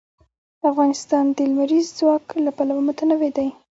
افغانستان د لمریز ځواک له پلوه متنوع دی.